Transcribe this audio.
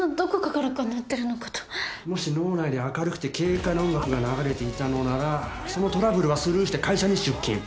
もし脳内で明るくて軽快な音楽が流れていたのならそのトラブルはスルーして会社に出勤。